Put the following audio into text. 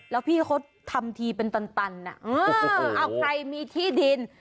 แล้วพี่เขาทำทีเป็นตันเอาใครมีที่ดิน